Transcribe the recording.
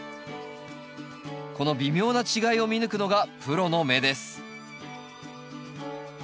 この微妙な違いを見抜くのがプロの目です